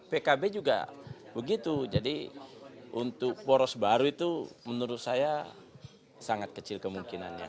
pkb juga begitu jadi untuk poros baru itu menurut saya sangat kecil kemungkinannya